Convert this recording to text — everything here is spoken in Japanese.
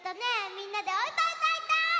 みんなでおうたうたいたい！